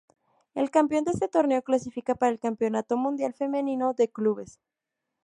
El campeón de este torneo clasifica para el Campeonato Mundial Femenino de Clubes.